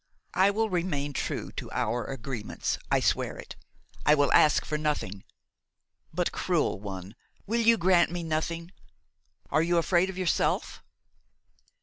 I will remain true to our agreements, I swear it. I will ask for nothing. But, cruel one, will you grant me nothing? Are you afraid of yourself?"